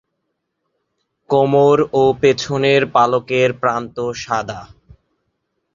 কোমর ও পেছনের পালকের প্রান্ত সাদা।